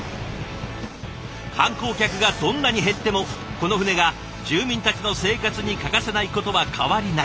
観光客がどんなに減ってもこの船が住民たちの生活に欠かせないことは変わりない。